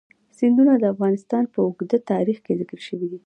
سیندونه د افغانستان په اوږده تاریخ کې ذکر شوی دی.